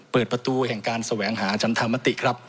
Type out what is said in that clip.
เปิดประตูแห่งการสว่างหาจันทร์ธรรมติครับ